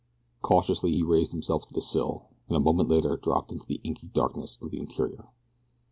Cautiously he raised himself to the sill, and a moment later dropped into the inky darkness of the interior.